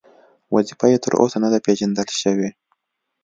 وظیفه یې تر اوسه نه ده پېژندل شوې.